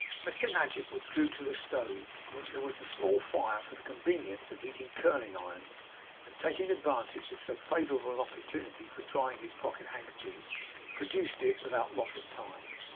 Mr Nadgett withdrew to the stove, in which there was a small fire for the convenience of heating curling irons; and taking advantage of so favourable an opportunity for drying his pocket handkerchief, produced it without loss of time.